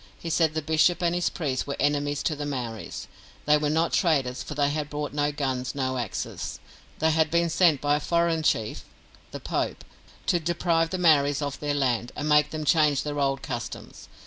He said the bishop and his priests were enemies to the Maoris. They were not traders, for they had brought no guns, no axes. They had been sent by a foreign chief (the Pope) to deprive the Maoris of their land, and make them change their old customs.